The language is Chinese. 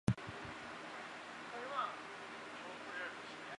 录音室专辑精选专辑单曲现场录音专辑电影原声带致敬专辑合辑